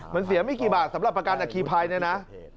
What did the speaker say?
มันเสียไม่กี่บาทสำหรับประกันอัคคีภัยเนี่ยนะ